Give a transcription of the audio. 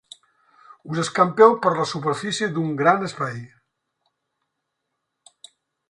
Us escampeu per la superfície d'un gran espai.